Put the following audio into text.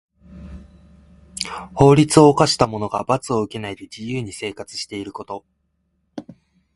法律を犯した者が罰を受けないで自由に生活していること。